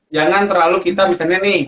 jangan terlalu kita misalnya nih